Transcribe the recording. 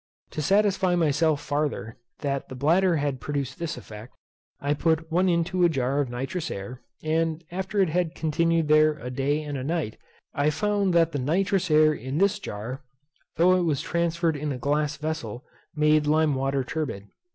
To satisfy myself farther, that the bladder had produced this effect, I put one into a jar of nitrous air, and after it had continued there a day and a night, I found that the nitrous air in this jar, though it was transferred in a glass vessel, made lime water turbid.